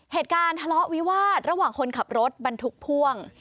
เหตุการณ์ทะเลาะวิวาสระหว่างคนขับรถบรรทุกพ่วง